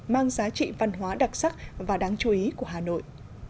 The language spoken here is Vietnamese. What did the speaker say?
mang giá trị văn hóa đặc sắc và đáng chú ý của hà nội